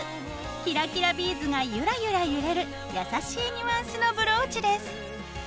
キラキラビーズがゆらゆら揺れる優しいニュアンスのブローチです。